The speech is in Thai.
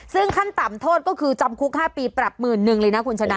ซึ่งขั้นต่ำโทษก็คือจำคุก๕ปีปรับหมื่นหนึ่งเลยนะคุณชนะ